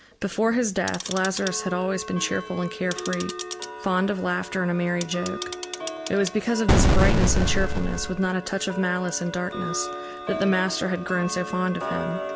Before his death Lazarus had always been cheerful and carefree, fond of laughter and a merry joke. It was because of this brightness and cheerfulness, with not a touch of malice and darkness, that the Master had grown so fond of him.